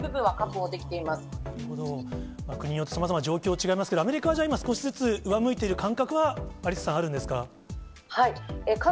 国によってさまざま状況違いますけど、アメリカはじゃあ今、少しずつ上向いている感覚はアリッサさん、あるんですか？